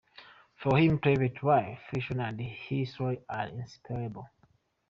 For him, private life, fiction, and history are inseparable.